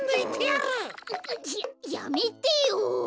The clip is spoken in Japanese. ややめてよ！